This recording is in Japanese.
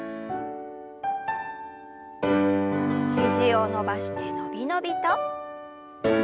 肘を伸ばして伸び伸びと。